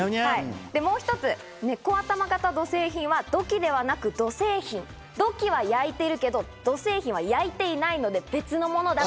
もう一つ、ねこ頭形土製品は土器ではなく土製品、土器は焼いているけど土製品は焼いていないので、別のものだと。